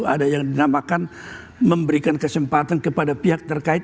ada yang dinamakan memberikan kesempatan kepada pihak terkait